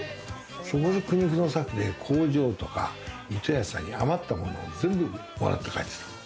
そこで苦肉の策で工場とか糸屋さんに余ったものを全部もらって帰ってきた。